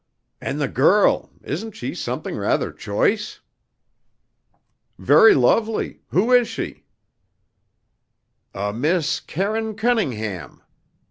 "And the girl! Isn't she something rather choice?" "Very lovely. Who is she?" "A Miss Karine Cunningham.